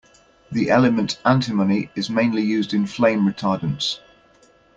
The element antimony is mainly used in flame retardants.